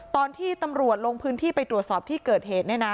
ตอนที่ตำรวจลงพื้นที่ไปตรวจสอบที่เกิดเหตุเนี่ยนะ